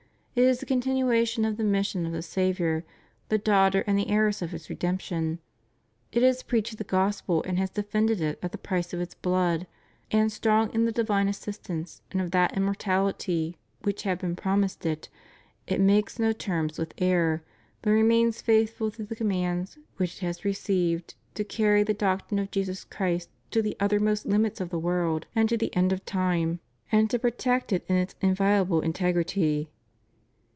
It is the continuation of the mission of the Saviour, the daughter and the heiress of His redemption. It has preached the Gospel, and has defended it at the price of its blood, and strong in the divine assistance and of that immortality which have been promised it, it makes no terms with error, but remains faithful to the commands which it has re ceived to carry the doctrine of Jesus Christ to the utter most limits of the world and to the end of time, and to protect it in its inviolable integrity.